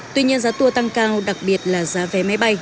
tuy nhiên giá tour tăng cao đặc biệt là giá vé máy bay